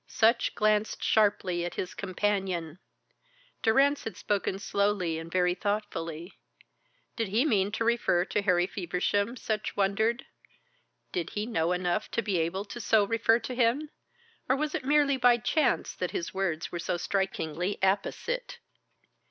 Sutch glanced sharply at his companion. Durrance had spoken slowly and very thoughtfully. Did he mean to refer to Harry Feversham, Sutch wondered. Did he know enough to be able so to refer to him? Or was it merely by chance that his words were so strikingly apposite?